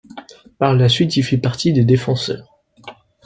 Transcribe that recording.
Par la suite, il fit partie des Défenseurs.